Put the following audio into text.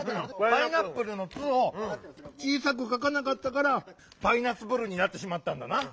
「パイナップル」の「ツ」をちいさくかかなかったから「パイナツプル」になってしまったんだな。